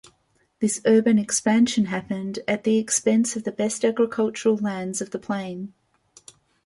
This urban expansion happened at the expense of the best agricultural lands of the plain.